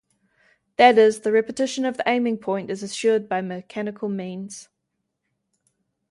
That is, the repetition of the aiming point is assured by mechanical means.